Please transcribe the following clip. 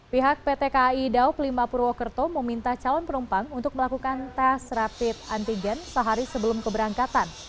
pihak pt kai daup lima purwokerto meminta calon penumpang untuk melakukan tes rapid antigen sehari sebelum keberangkatan